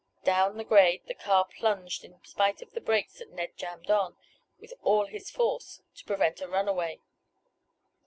Down the grade the car plunged in spite of the brakes that Ned jammed on, with all his force, to prevent a runaway.